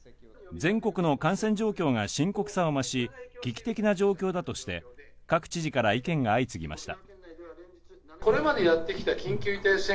全国の感染状況が深刻さを増し、危機的な状況だとして、各知事から意見が相次ぎました。